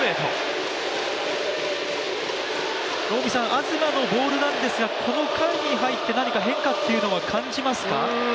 東のボールなんですが、この回に入って、変化というのは感じますか？